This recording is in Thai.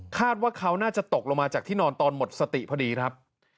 คาดว่าเขาน่าจะตกลงมาจากที่นอนตอนหมดสติพอดีครับ